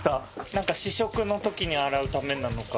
なんか試食の時に洗うためなのか。